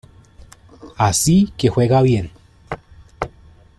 Así que juega bien.